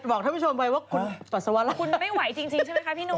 บอกทุกผู้ชมไว้ว่าคุณตัวสวรรษคุณไม่ไหวจริงใช่ไหมค่ะพี่หนุ่ม